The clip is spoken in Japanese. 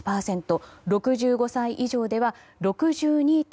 ６５歳以上では６２．９％。